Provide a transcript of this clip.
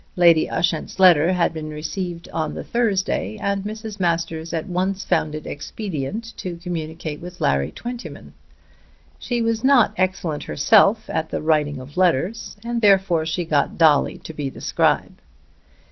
Lady Ushant's letter had been received on the Thursday and Mrs. Masters at once found it expedient to communicate with Larry Twentyman. She was not excellent herself at the writing of letters, and therefore she got Dolly to be the scribe.